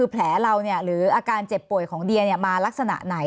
แผลเราหรืออาการเจ็บป่วยของเดียมาลักษณะไหน